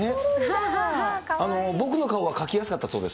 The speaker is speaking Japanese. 僕の顔は描きやすかったそうです。